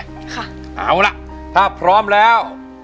เอาล่ะถ้าพร้อมแล้ว